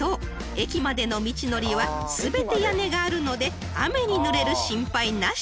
駅までの道のりは全て屋根があるので雨にぬれる心配なし］